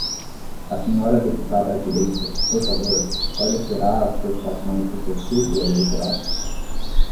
A senhora deputada à direita, por favor, esclarecerá as preocupações do seu círculo eleitoral?